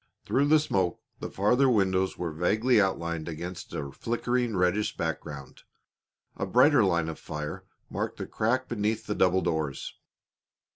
Through the smoke the farther windows were vaguely outlined against a flickering, reddish background. A brighter line of fire marked the crack beneath the double doors.